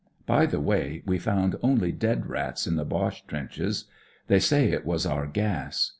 By the way, we found only dead rats in the Boche trenches. They say it was our gas.